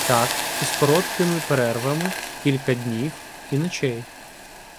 Так, із короткими перервами, кілька днів і ночей.